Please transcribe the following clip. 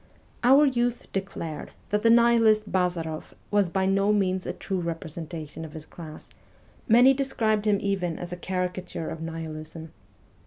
Our youth declared that the Nihilist Bazaroffwasby no means a true representa tion of his class ; many described him even as a caricature of Nihilism.